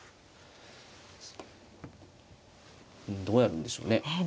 どうやるんでしょうね。